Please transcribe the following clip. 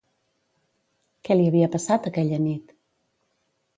Què li havia passat aquella nit?